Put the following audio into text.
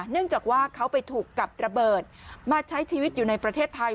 เนื่องจากว่าเขาไปถูกกับระเบิดมาใช้ชีวิตอยู่ในประเทศไทย